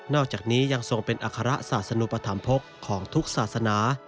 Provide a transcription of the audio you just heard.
อกจากนี้ยังทรงเป็นอัคระศาสนุปธรรมภกของทุกศาสนา